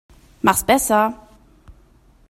Mach's besser.